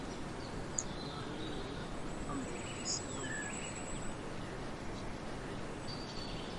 naamini kwamba waislamu hapa zambia na pia wameungana na wenzao ulimwenguni kote